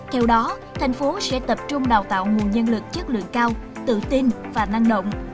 theo đó thành phố sẽ tập trung đào tạo nguồn nhân lực chất lượng cao tự tin và năng động